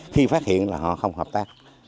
khi phát hiện là họ không hợp tác